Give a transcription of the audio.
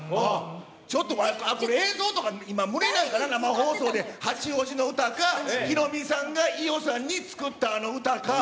ちょっと、これ映像とか、今見れないかな、八王子のうた、ヒロミさんが伊代さんに作ったあの歌か。